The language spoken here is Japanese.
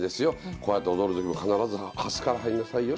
こうやって踊る時も必ずはすから入りなさいよ。